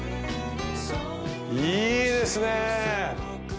いいですね！